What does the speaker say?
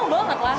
mau banget lah